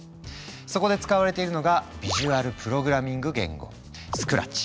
そこで使われているのが「ビジュアルプログラミング言語」「ＳＣＲＡＴＣＨ」。